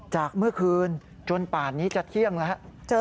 จากเมื่อคืนจนป่านนี้จะเที่ยงแล้ว